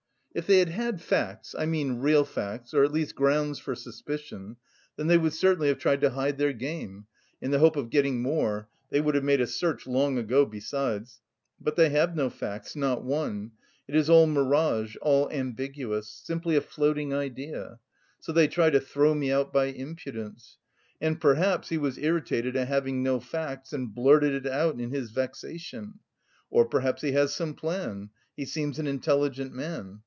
"If they had had facts I mean, real facts or at least grounds for suspicion, then they would certainly have tried to hide their game, in the hope of getting more (they would have made a search long ago besides). But they have no facts, not one. It is all mirage all ambiguous. Simply a floating idea. So they try to throw me out by impudence. And perhaps, he was irritated at having no facts, and blurted it out in his vexation or perhaps he has some plan... he seems an intelligent man.